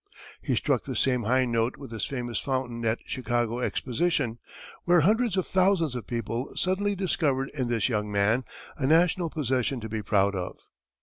He struck the same high note with his famous fountain at Chicago Exposition, where hundreds of thousands of people suddenly discovered in this young man a national possession to be proud of.